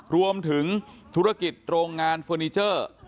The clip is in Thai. รวมถึงธุรกิจโรงงานเฟอร์นิเจอร์